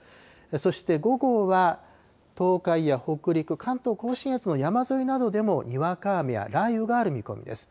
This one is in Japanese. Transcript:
そして午後は東海や北陸、関東甲信越の山沿いなどでもにわか雨や雷雨がある見込みです。